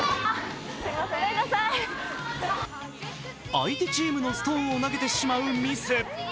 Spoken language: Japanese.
相手チームのストーンを投げてしまうミス。